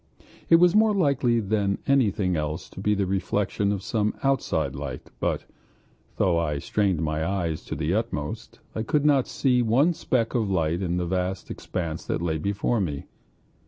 It was more likely than anything else to be the reflection of some outside light, but though I strained my eyes to the utmost, I could not see one other speck of light in the vast expanse that lay before me.